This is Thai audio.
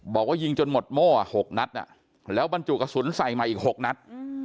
บอกว่ายิงจนหมดโม่๖นัดแล้วบรรจุกระสุนใส่มาอีก๖นัด